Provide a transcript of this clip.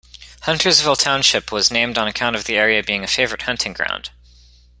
Huntersville Township was named on account of the area being a favorite hunting ground.